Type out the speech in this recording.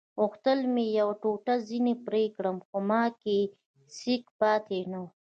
غوښتل مې یوه ټوټه ځینې پرې کړم خو ما کې سېک پاتې نه وو.